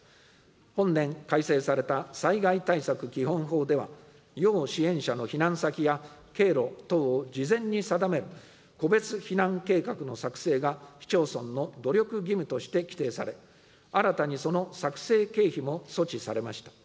本年、改正された災害対策基本法では、要支援者の避難先や経路等を事前に定める個別避難計画の作成が市町村の努力義務として規定され、新たにその作成経費も措置されました。